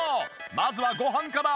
まずはご飯から。